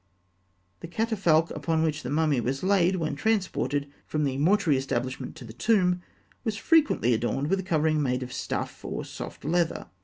The catafalque upon which the mummy was laid when transported from the mortuary establishment to the tomb, was frequently adorned with a covering made of stuff or soft leather.